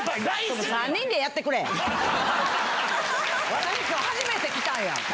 私今日初めて来たんや。